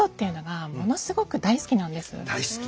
大好き。